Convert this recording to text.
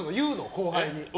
後輩に。